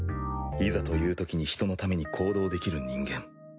いざというときに人のために行動できる人間。